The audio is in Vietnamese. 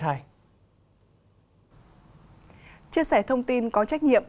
chia sẻ thông tin có trách nhiệm